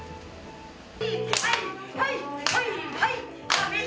はいはいはいはい。